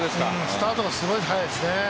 スタートがすごい速いですね。